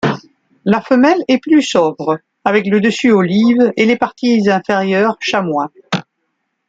La femelle est plus sobre, avec le dessus olive et les parties inférieures chamois.